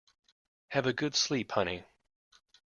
Have a good sleep honey.